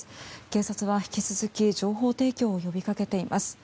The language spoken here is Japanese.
警察は引き続き情報提供を呼びかけています。